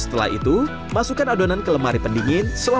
setelah itu masukkan adonan ke lemari pendingin selama satu jam